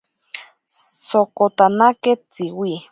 Sokotanake Tsiwi.